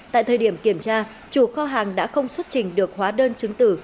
tại thời điểm kiểm tra chủ kho hàng đã không xuất trình được hóa đơn chứng tử